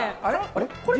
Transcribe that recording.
あれ？